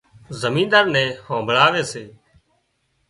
زمينۮار نين همڀۯاوي سي